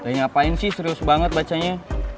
saya ngapain sih serius banget bacanya